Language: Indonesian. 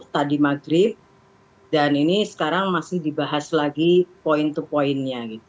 tadi maghrib dan ini sekarang masih dibahas lagi point to pointnya